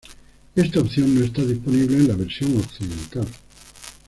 Esta opción no está disponible en la versión occidental.